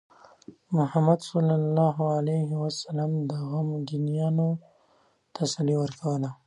محمد صلى الله عليه وسلم د غمگینانو تسلي ورکوله.